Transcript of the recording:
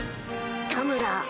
田村